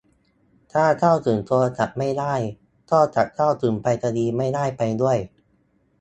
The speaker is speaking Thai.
ถ้าเข้าถึงโทรศัพท์ไม่ได้ ก็จะเข้าถึงไปรษณีย์ไม่ได้ไปด้วย